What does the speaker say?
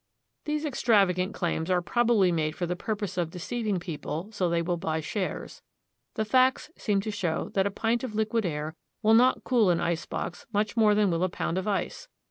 These extravagant claims are probably made for the purpose of deceiving people so they will buy shares. The facts seem to show that a pint of liquid air will not cool an ice box much more than will a pound of ice.